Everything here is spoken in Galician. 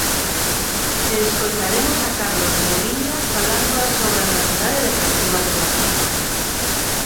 E escoitaremos a Carlos Mouriño falando das obras da Cidade Deportiva de Mos.